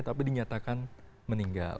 tapi dinyatakan meninggal